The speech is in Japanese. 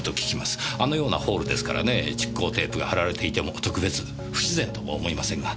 あのようなホールですからねぇ蓄光テープが張られていても特別不自然とも思いませんが。